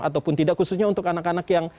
ataupun tidak khususnya untuk anak anak yang